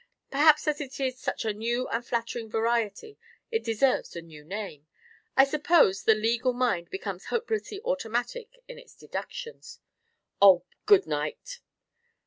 Perhaps as it is such a new and flattering variety, it deserves a new name. I suppose the legal mind becomes hopelessly automatic in its deductions " "Oh, good night!"